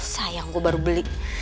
sayang gue baru beli